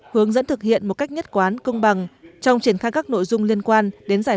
hướng dẫn thực hiện một cách nhất quán công bằng trong triển khai các nội dung liên quan đến giải